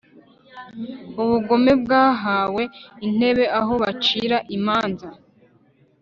ubugome bwahawe intebe aho bacira imanza